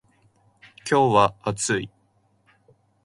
今日は暑い